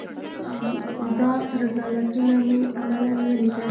دا رذالتونه مې عملاً وليدل.